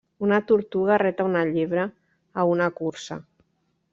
Una tortuga reta a una llebre a una cursa.